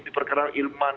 di perkara ilman